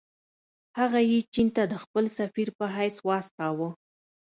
هغه یې چین ته د خپل سفیر په حیث واستاوه.